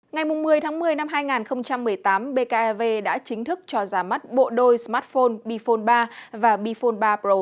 ngày một mươi một mươi hai nghìn một mươi tám bkav đã chính thức cho giá mắt bộ đôi smartphone bphone ba và bphone ba pro